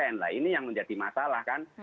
nah ini yang menjadi masalah kan